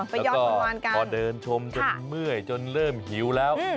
ไปย้อนวานกันแล้วก็พอเดินชมจนเมื่อยจนเริ่มหิวแล้ว